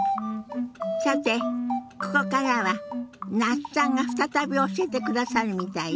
さてここからは那須さんが再び教えてくださるみたいよ。